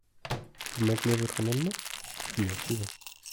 Vous maintenez votre amendement ? Bien sûr.